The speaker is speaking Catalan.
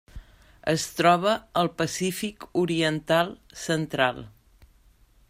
Es troba al Pacífic oriental central.